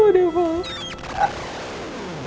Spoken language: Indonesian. terima kasih bu